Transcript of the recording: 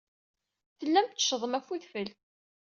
Tellam tetteccgem ɣef wedfel.